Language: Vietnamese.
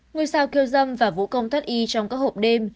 người sao kiêu dâm và vũ công thất y trong các hộp đêm